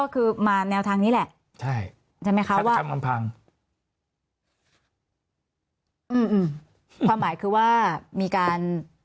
ความหมายคือว่ามีการ